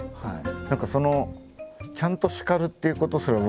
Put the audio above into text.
何かそのちゃんと叱るっていうことすら僕